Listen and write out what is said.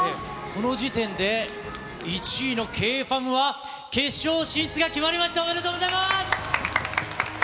この時点で、１位のＫｆａｍは、決勝進出が決まりました、おめでとうございます！